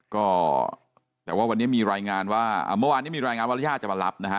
ก็แต่ว่าวันนี้มีรายงานว่าเมื่อวานนี้มีรายงานว่ารยาทจะมารับนะฮะ